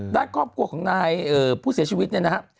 ด้านครอบครัวของนายผู้เสียชีวิตเนี่ยนะครับ